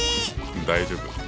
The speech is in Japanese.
大丈夫。